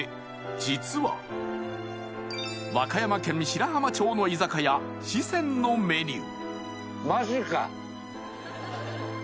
実は和歌山県白浜町の居酒屋紫扇のメニュー